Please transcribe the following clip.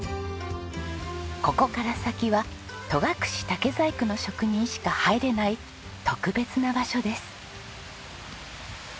ここから先は戸隠竹細工の職人しか入れない特別な場所です。